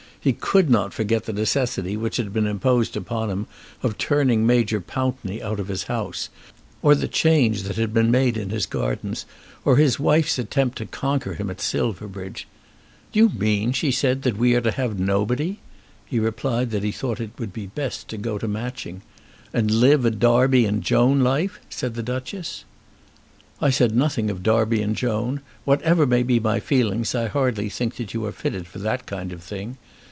He could not forget the necessity which had been imposed upon him of turning Major Pountney out of his house, or the change that had been made in his gardens, or his wife's attempt to conquer him at Silverbridge. "Do you mean," she said, "that we are to have nobody?" He replied that he thought it would be best to go to Matching. "And live a Darby and Joan life?" said the Duchess. "I said nothing of Darby and Joan. Whatever may be my feelings I hardly think that you are fitted for that kind of thing.